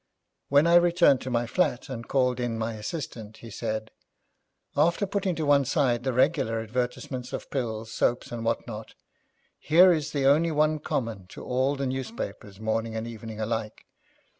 When I returned to my flat and called in my assistant, he said, 'After putting to one side the regular advertisements of pills, soap, and what not, here is the only one common to all the newspapers, morning and evening alike.